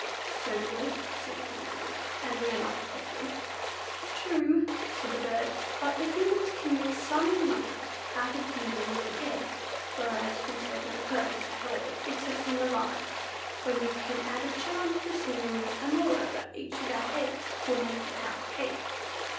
"So do we," said the Kangaroo, "and we are not protected." "True," said the bird, "but the Humans can make some money out of you when you are dead, whereas we serve no purpose at all, excepting alive, when we add a charm to the scenery; and, moreover, each of our eggs will make a pound cake.